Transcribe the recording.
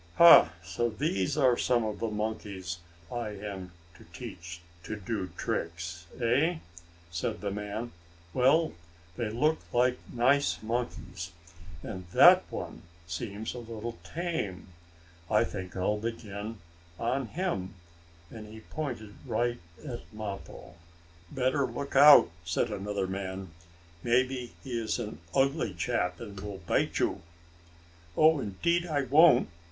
"Ha! So these are some of the monkeys I am to teach to do tricks, eh?" said the man. "Well, they look like nice monkeys. And that one seems a little tame. I think I'll begin on him," and he pointed right at Mappo. "Better look out," said another man. "Maybe he is an ugly chap, and will bite you." "Oh, indeed I won't!"